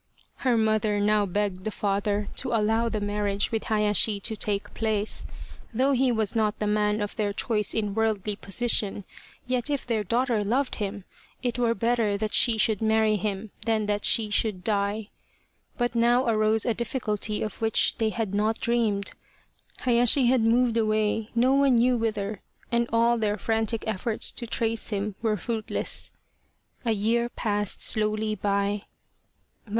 Her mother now begged the father to allow the marriage with Hayashi to take place. Though he was not the man of their choice in worldly position, 104 The Reincarnation of Tama yet if their daughter loved him, it were better that she should marry him than that she should die. But now arose a difficulty of which they had not dreamed. Hayashi had moved away no one knew whither, and all their frantic efforts to trace him were fruitless. A year passed slowly by.